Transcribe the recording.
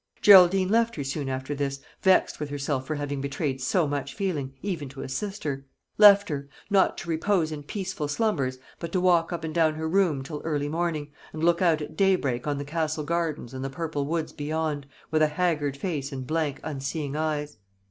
Geraldine left her soon after this, vexed with herself for having betrayed so much feeling, even to a sister; left her not to repose in peaceful, slumbers, but to walk up and down her room till early morning, and look out at daybreak on the Castle gardens and the purple woods beyond, with a haggard face and blank unseeing eyes.